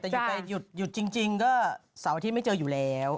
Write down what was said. แต่หยุดไปหยุดจริงก็เสาร์อาทิตย์ไม่เจออยู่แล้ว